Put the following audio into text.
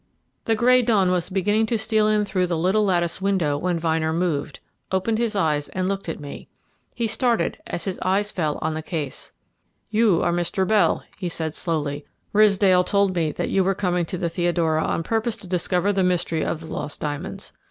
The grey dawn was beginning to steal in through the little latticed window when Vyner moved, opened his eyes and looked at me. He started as his eyes fell on the case. "You are Mr. Bell," he said slowly. "Ridsdale told me that you were coming to the Theodora on purpose to discover the mystery of the lost diamonds.